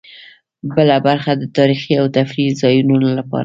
بله برخه د تاريخي او تفريحي ځایونو لپاره.